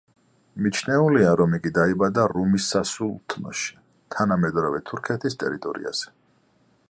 მიჩნეულია, რომ იგი დაიბადა რუმის სასულთნოში, თანამედროვე თურქეთის ტერიტორიაზე.